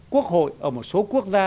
quốc hội ở một số quốc gia